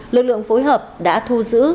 lực lượng phối hợp đã thu giữ